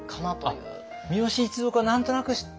三好一族は何となく知ってた。